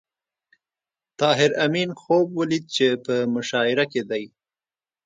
طاهر آمین خوب ولید چې په مشاعره کې دی